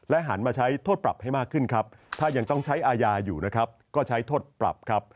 หันมาใช้โทษปรับให้มากขึ้นครับถ้ายังต้องใช้อาญาอยู่นะครับก็ใช้โทษปรับครับ